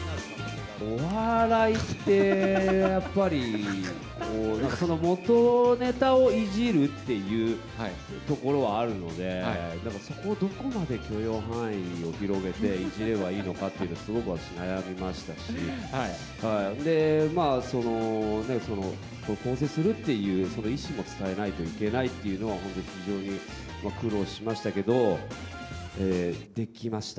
お笑いって、やっぱり、そのもとネタをいじるっていうところはあるので、なんかそこをどこまで許容範囲を広げて、いじればいいのかっていうのは、すごく私、悩みましたし、まあ、更生するっていう意志も伝えないといけないっていうのは、本当に非常に苦労しましたけど、できました。